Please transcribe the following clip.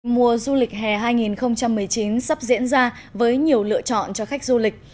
mùa du lịch hè hai nghìn một mươi chín sắp diễn ra với nhiều lựa chọn cho khách du lịch